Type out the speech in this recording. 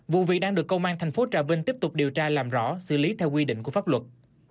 vụ việc đang được công an thành phố trà vinh tiếp tục điều tra làm rõ xử lý theo quy định của pháp luật